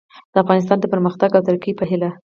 د افغانستان د پرمختګ او ترقي په هیله